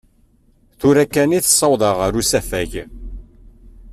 Tura kan i t-ssawḍeɣ ar usafag.